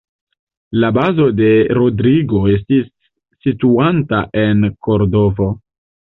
La bazo de Rodrigo estis situanta en Kordovo.